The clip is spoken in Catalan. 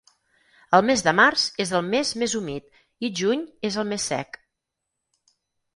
El mes de març és el mes més humit i juny és el més sec.